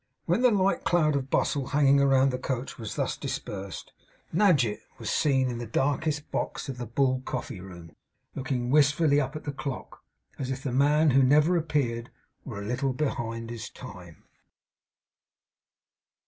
When the light cloud of bustle hanging round the coach was thus dispersed, Nadgett was seen in the darkest box of the Bull coffee room, looking wistfully up at the clock as if the man who never appeared were a little behind his time.